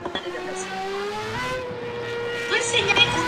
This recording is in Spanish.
Sus restos se encuentran en un mausoleo del Cementerio General de Antofagasta.